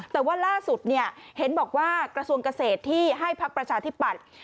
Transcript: แต่ว่าล่าสุดเห็นบอกว่ากระทรวงเกษตรที่ให้พักประชาธิปัตย์